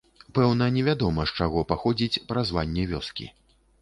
Пэўна невядома, з чаго паходзіць празванне вёскі.